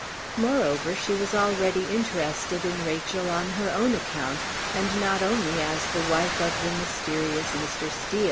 Moreover, she was already interested in Rachel on her own account, and not only as the wife of the mysterious Mr. Steel.